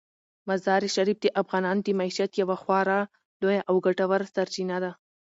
مزارشریف د افغانانو د معیشت یوه خورا لویه او ګټوره سرچینه ده.